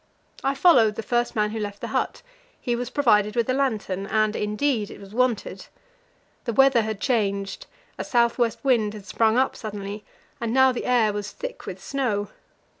I followed the first man who left the hut; he was provided with a lantern, and indeed it was wanted. The weather had changed: a south west wind had sprung up suddenly, and now the air was thick with snow.